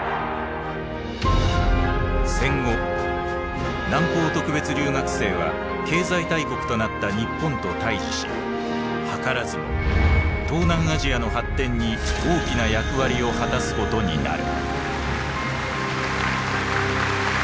戦後南方特別留学生は経済大国となった日本と対峙し図らずも東南アジアの発展に大きな役割を果たすことになる。